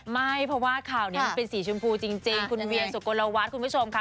ไม่เพราะว่าข่าวนี้มันเป็นสีชมพูจริงคุณเวียนสุกลวัฒน์คุณผู้ชมค่ะ